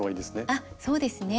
あっそうですね。